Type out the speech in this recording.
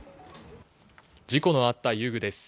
事故のあった遊具です。